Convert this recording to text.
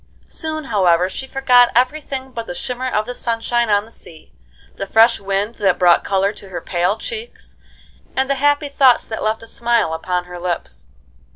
Soon, however, she forgot every thing but the shimmer of the sunshine on the sea, the fresh wind that brought color to her pale cheeks, and the happy thoughts that left a smile upon her lips.